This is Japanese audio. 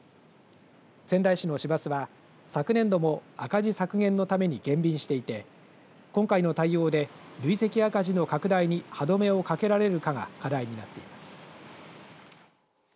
仙台市の市バスは、昨年度も赤字削減のために減便していて今回の対応で累積赤字の拡大に歯止めをかけられるかが課題になっています。